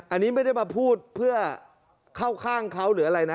อันนี้ไม่ได้มาพูดเพื่อเข้าข้างเขาหรืออะไรนะ